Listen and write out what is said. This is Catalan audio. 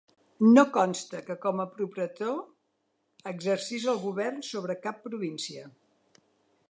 No consta que com a propretor exercís el govern sobre cap província.